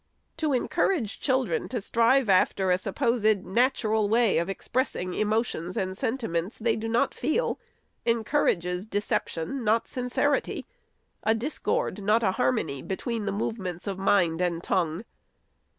To en courage children to strive after a supposed natural way of expressing emotions and sentiments they do not feel, encourages deception, not sincerity ; a discord, not a har mony, between the movements of mind and tongue.